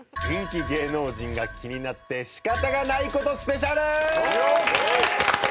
人気芸能人が気になって仕方がない事スペシャル！